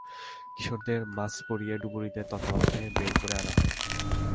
কিশোরদের মাস্ক পরিয়ে ডুবুরিদের তত্ত্বাবধানে বের করে আনা হয়।